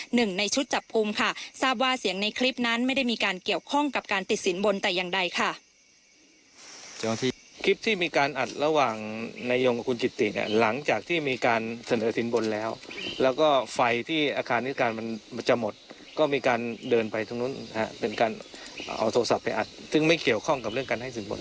หนึ่งในชุดจับกลุ่มค่ะทราบว่าเสียงในคลิปนั้นไม่ได้มีการเกี่ยวข้องกับการติดสินบนแต่อย่างใดค่ะ